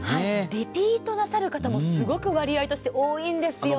リピートなさる方もすごく割合として多いんですよ。